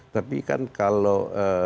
tapi kan kalau